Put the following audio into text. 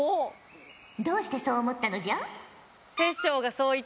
どうしてそう思ったのじゃ？